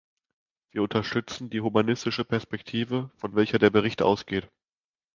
Wir unterstützen die humanistische Perspektive, von welcher der Bericht ausgeht.